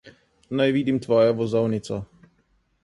Naj vidim tvojo vozovnico.